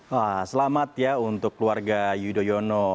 wah selamat ya untuk keluarga yudhoyono